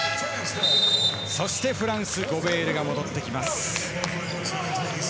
そしてフランス、ゴベールが戻ってきます。